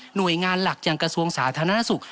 หน่วยงานหลักอย่างกระทรวงสาธารณสุข